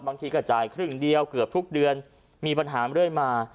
บางทีก็จ่ายครึ่งเดียวเกือบทุกเดือนมีปัญหาเรื่อยมา